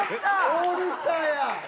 オールスターや！